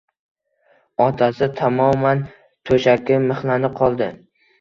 Otasi tamoman to`shakka mixlanib qoldi